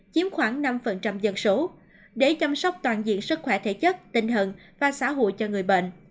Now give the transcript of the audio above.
chiếm khoảng năm dân số để chăm sóc toàn diện sức khỏe thể chất tinh thần và xã hội cho người bệnh